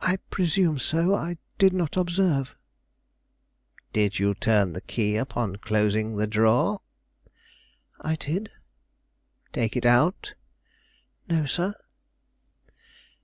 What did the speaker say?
"I presume so; I did not observe." "Did you turn the key upon closing the drawer?" "I did." "Take it out?" "No, sir."